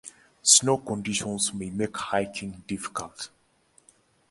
Snow conditions may make hiking difficult.